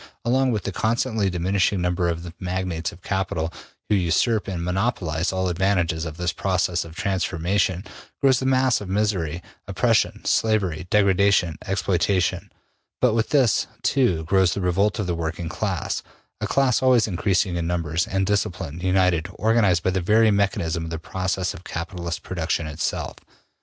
Along with the constantly diminishing number of the magnates of capital, who usurp and monopolize all advantages of this process of transformation, grows the mass of misery, oppression, slavery, degradation, exploitation; but with this, too, grows the revolt of the working class, a class always increasing in numbers, and disciplined, united, organized by the very mechanism of the process of capitalist production itself.